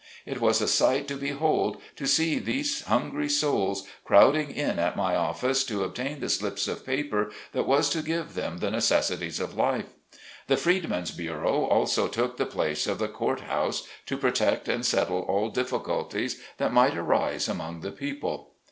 It was a sight to behold to see these hungry souls crowding in at my office to obtain the slips of paper that was to give them the necessities of life. The Freedman's Bureau also took 62 SLAVE CABIN TO PULPIT. the place of the Court House, to protect and settle all difficulties that might arise among the people.